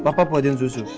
papa buatin susu